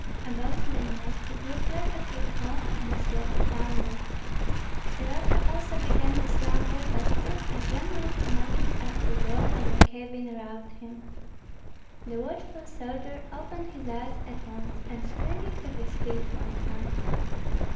About midnight he grew perfectly calm and slept soundly. Soroka also began to slumber; but soon a gentle knocking at the door of the cabin roused him. The watchful soldier opened his eyes at once, and springing to his feet went out.